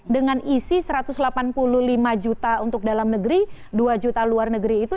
dengan isi satu ratus delapan puluh lima juta untuk dalam negeri dua juta luar negeri itu